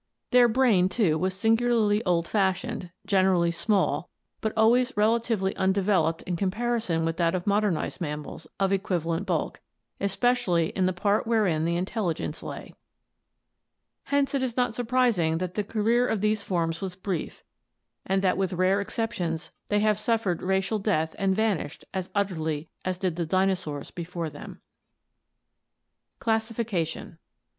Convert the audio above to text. Their brain too was singularly old fashioned, generally small, but always relatively undeveloped in comparison with that of modernized mammals of equivalent bulk, especially in the part wherein the intelligence lay (Fig. 175). Hence it is not surprising that the career of these forms was brief and that with rare exceptions they have suffered racial death and vanished as utterly as did the dinosaurs before them. Classification.